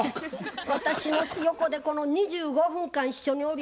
私も横でこの２５分間一緒におるやろ。